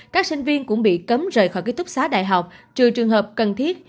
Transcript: các sinh viên cũng bị cấm rời khỏi ký túc xá đại học trừ trường hợp cần thiết